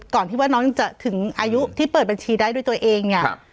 ก่อนที่ว่าน้องจะถึงอายุที่เปิดบัญชีได้ด้วยตัวเองเนี่ย